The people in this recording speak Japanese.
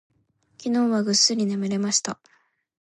昨日はぐっすり眠れました。